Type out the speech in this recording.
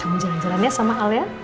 kamu jalan jalan ya sama al ya